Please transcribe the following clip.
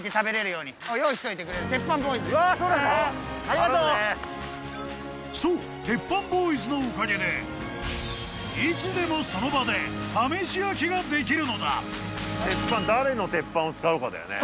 ありがとうそう鉄板ボーイズのおかげでいつでもその場で試し焼きができるのだ鉄板誰の鉄板を使うかだよね